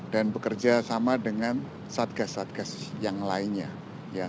dan bekerja sama dengan satgas satgas yang lainnya